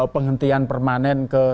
penghentian permanen ke